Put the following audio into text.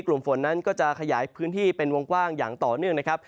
กลุ่มฝนนั้นก็จะขยายพื้นที่เป็นวงกว้างอย่างต่อเนื่องนะครับ